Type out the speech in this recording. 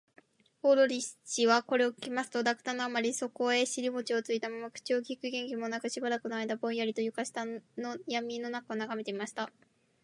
大鳥氏はそれを聞きますと、落胆のあまり、そこへしりもちをついたまま、口をきく元気もなく、しばらくのあいだぼんやりと、床下のやみのなかをながめていました